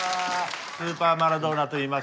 スーパーマラドーナといいます。